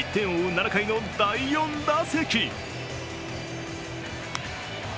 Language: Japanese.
７回の第４打席。